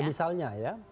ya misalnya ya